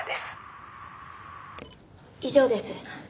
以上です。